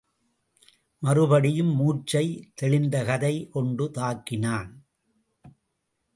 மறுபடியும் மூர்ச்சை தெளிந்து கதை கொண்டு தாக்கினான்.